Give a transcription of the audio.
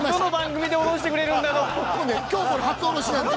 今日これ初下ろしなんです。